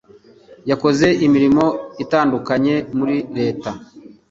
Yakoze imirimo itandukanye muri Leta